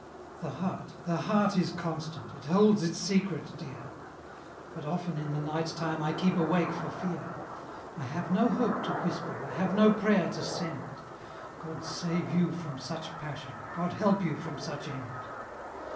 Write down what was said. The heart the heart is constant; It holds its secret, Dear! But often in the night time I keep awake for fear. I have no hope to whisper, I have no prayer to send, God save you from such passion! God help you from such end!